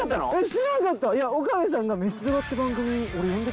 知らなかった。